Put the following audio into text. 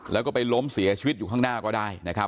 แล้วก็ไปล้มเสียชีวิตอยู่ข้างหน้าก็ได้นะครับ